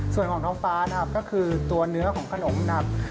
ส่วนของท้องฟ้านะครับก็คือตัวเนื้อของขนมนะครับ